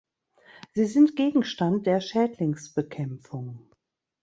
Sie sind Gegenstand der Schädlingsbekämpfung.